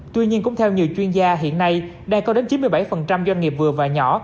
tuy nhiên cũng theo nhiều chuyên gia hiện nay đang có đến chín mươi bảy doanh nghiệp vừa và nhỏ